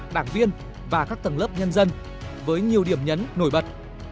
đảng viên và các tầng lớp nhân dân với nhiều điểm nhấn nổi bật